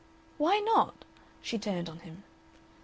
"Why not?" She turned on him.